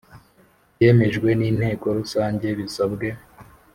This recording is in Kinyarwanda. Byemejwe N Inteko Rusange Bisabwe